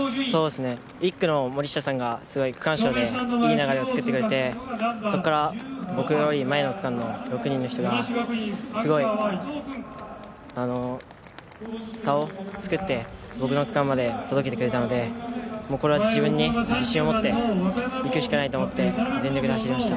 １区の森下さんが区間賞でいい流れを作ってくれてそこから僕より前の区間の６人の人がすごい差を作って、僕の区間まで届けてくれたのでこれは自分の自信を持っていくしかないと思って全力で走りました。